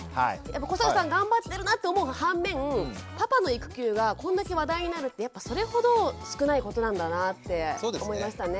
古坂さん頑張ってるなと思う反面パパの育休がこんだけ話題になるってやっぱそれほど少ないことなんだなって思いましたね。